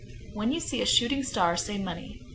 When you see a shooting star, say "money."